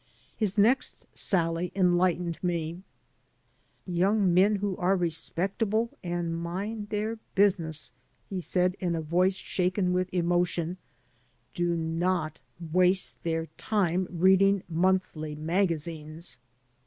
His next sally enlightened me: Young men who are respectable and mind their busi* ness," he said in a voice shaken with emotion, "do not waste their time reading monthly magazines.